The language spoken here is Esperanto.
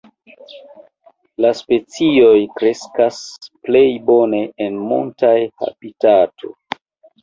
La specioj kreskas plej bone en montaj habitato.